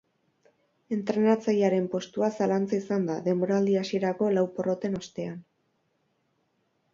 Entrenatzailearen postua zalantza izan da, denboraldi hasierako lau porroten ostean.